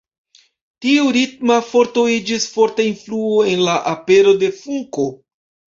Tiu ritma forto iĝis forta influo en la apero de funko.